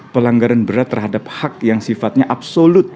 pelanggaran berat terhadap hak yang sifatnya absolut